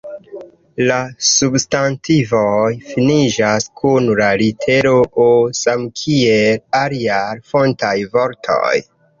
La substantivoj finiĝas kun la litero “O” samkiel aliaj fontaj vortoj.